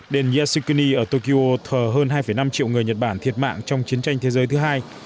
đền iyashikuni ở tokyo thờ hơn hai năm triệu người nhật bản thiệt mạng trong chiến tranh thế giới thứ hai